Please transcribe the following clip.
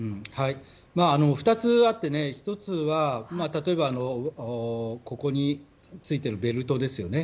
２つあって、１つは例えばここについているベルトですね